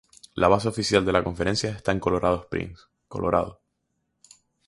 La base oficial de la conferencia está en Colorado Springs, Colorado.